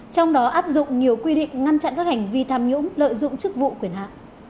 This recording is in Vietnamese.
trong đó áp dụng nhiều quy định ngăn chặn các hành vi tham nhũng lợi dụng chức vụ quyền hạn